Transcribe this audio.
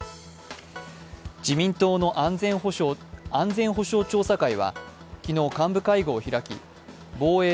自民党の安全保障調査会は昨日、幹部会合を開き防衛